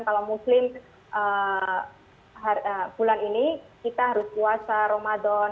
kalau muslim bulan ini kita harus puasa ramadan